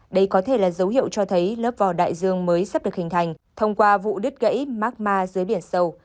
đây có thể là dấu hiệu cho thấy lớp vỏ đại dương mới sắp được hình thành thông qua vụ đứt gãy markma dưới biển sâu